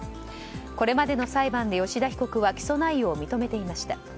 これまでの裁判で吉田被告は起訴内容を認めていました。